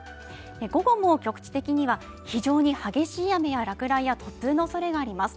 午後も局地的には非常に激しい雨や落雷や突風のおそれがあります